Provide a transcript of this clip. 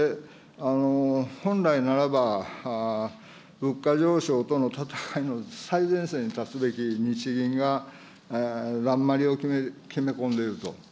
本来ならば、物価上昇との戦いの最前線に立つべき日銀が、だんまりを決め込んでいると。